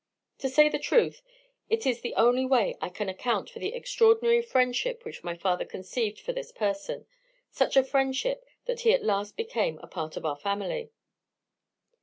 To say the truth, it is the only way I can account for the extraordinary friendship which my father conceived for this person; such a friendship, that he at last became a part of our family.